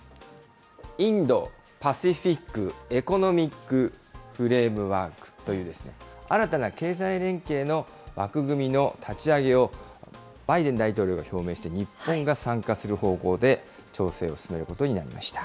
インド・パシフィック・エコノミック・フレームワークという、新たな経済連携の枠組みの立ち上げを、バイデン大統領が表明して、日本が参加する方向で調整を進めることになりました。